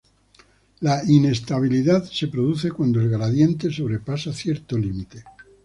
La inestabilidad se produce cuando el gradiente sobrepasa cierto límite.